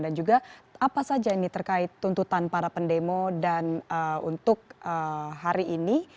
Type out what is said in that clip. dan juga apa saja ini terkait tuntutan para pendemo dan untuk hari ini